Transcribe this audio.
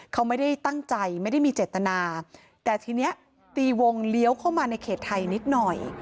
เขาไม่ได้ตั้งใจไม่ได้มีเจตนาแต่ทีนี้ตีวงเลี้ยวเข้ามาในเขตไทยนิดหน่อย